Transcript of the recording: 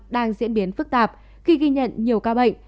đang diễn biến phức tạp khi ghi nhận nhiều ca bệnh